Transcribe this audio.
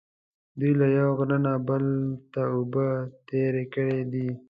دوی له یوه غره نه بل ته اوبه تېرې کړې دي.